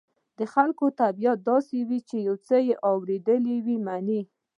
د خلکو طبيعت داسې وي چې څه واورېدل مني.